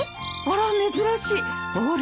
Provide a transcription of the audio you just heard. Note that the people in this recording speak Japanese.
あら珍しい。